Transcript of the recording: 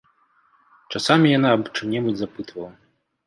Часамі яна аб чым-небудзь запытвала.